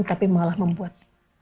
tapi malah membuat